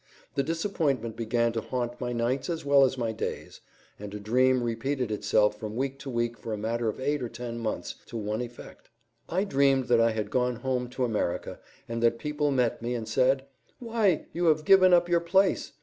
The disappointment began to haunt my nights as well as my days, and a dream repeated itself from week to week for a matter of eight or ten months to one effect. I dreamed that I had gone home to America, and that people met me and said, "Why, you have given up your place!"